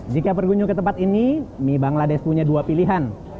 jika bergunjung ke tempat ini mie bangladesh punya dua pilihan